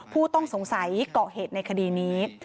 ผู้ต้องสงสัยเกาะเหตุในคดีนี้